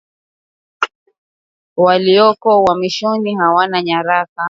Waandishi wengi wa Myanmar walioko uhamishoni hawana nyaraka